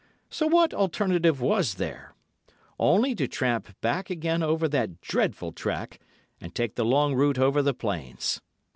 So what alternative was there? Only to tramp back again over that dreadful track, and take the long route over the plains.